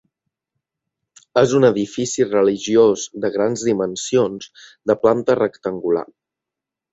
És un edifici religiós de grans dimensions, de planta rectangular.